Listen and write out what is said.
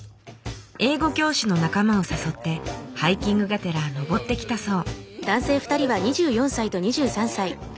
英語教師の仲間を誘ってハイキングがてら登ってきたそう。